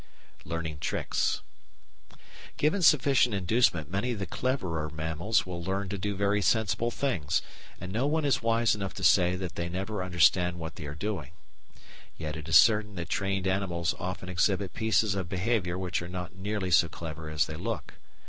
Learning Tricks Given sufficient inducement many of the cleverer mammals will learn to do very sensible things, and no one is wise enough to say that they never understand what they are doing. Yet it is certain that trained animals often exhibit pieces of behaviour which are not nearly so clever as they look.